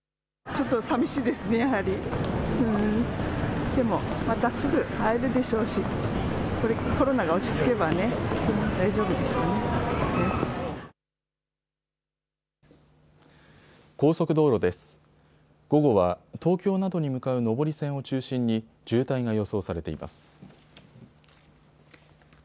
午後は東京などに向かう上り線を中心に渋滞が予想されています。